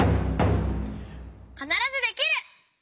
「かならずできる！」。